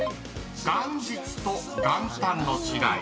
［元日と元旦の違い］